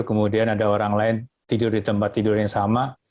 kemudian ada orang lain tidur di tempat tidur yang sama